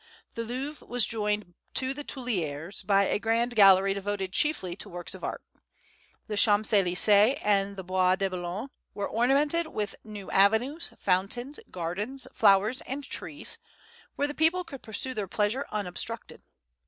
The Louvre was joined to the Tuileries by a grand gallery devoted chiefly to works of art. The Champs Elysées and the Bois de Boulogne were ornamented with new avenues, fountains, gardens, flowers, and trees, where the people could pursue their pleasure unobstructed.